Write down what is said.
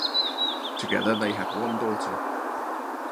Together they had one daughter.